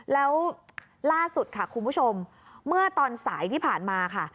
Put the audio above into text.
แล้วล่าสุดค่ะคุณผู้ชมเมื่อตอนสายที่ผ่านมาค่ะ